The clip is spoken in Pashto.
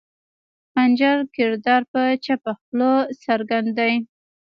خنجر کردار پۀ چپه خله څرګند دے